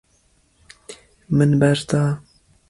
Min berda.